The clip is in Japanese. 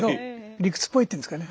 理屈っぽいっていうんですかね。